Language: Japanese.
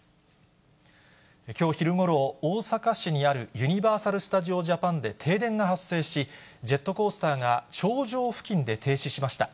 きょう昼ごろ、大阪市にあるユニバーサル・スタジオ・ジャパンで停電が発生し、ジェットコースターが頂上付近で停止しました。